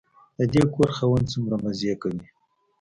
د دې کور خاوند څومره مزې کوي.